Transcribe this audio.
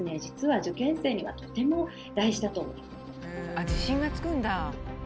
あっ自信がつくんだ。